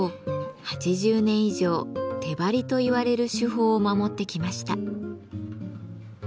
８０年以上「手貼り」といわれる手法を守ってきました。